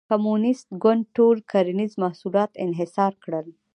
کمونېست ګوند ټول کرنیز محصولات انحصار کړل.